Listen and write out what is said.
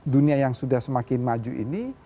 dunia yang sudah semakin maju ini